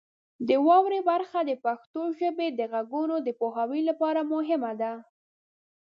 د واورئ برخه د پښتو ژبې د غږونو د پوهاوي لپاره مهمه ده.